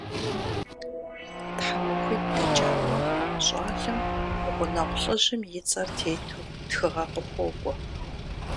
ТхьэмахуитӀ дэкӀауэ щӀалэм гъунэгъу лӀыжьым и цӀэр тету тхыгъэ къыхуокӀуэ.